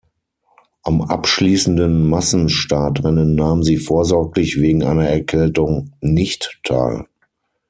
Am abschließenden Massenstartrennen nahm sie vorsorglich wegen einer Erkältung nicht teil.